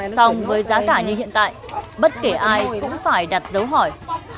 xong với giá cả như hiện tại bất kể ai cũng phải đặt dấu hỏi